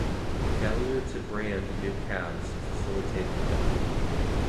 Failure to brand new calves facilitated theft.